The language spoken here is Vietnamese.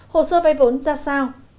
hồ sơ vay vốn ra sao